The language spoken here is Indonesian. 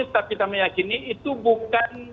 tapi kita meyakini itu bukan